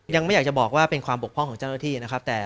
ยังไม่อยากจะบอกว่าเป็นความบกพ่องของเจ้าหน้าที่นะครับ